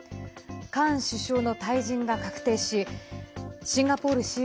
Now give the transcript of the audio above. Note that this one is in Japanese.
カーン首相の退陣が確定しシンガポール